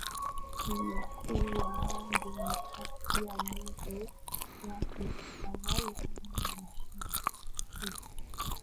imekuwa demokrasia Muundo wa utawala ni shirikisho